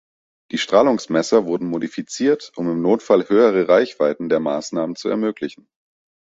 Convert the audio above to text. Die Strahlungsmesser wurden modifiziert, um im Notfall höhere Reichweiten der Maßnahmen zu ermöglichen.